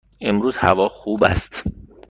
امروز هوا خوب است.